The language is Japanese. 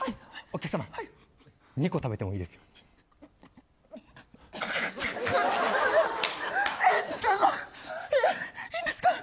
お客さま２個食べてもいいですよ。